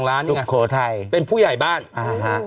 ๑๒ล้านเองครับชุโขทัยเป็นผู้ใหญ่บ้านอ่าฮะ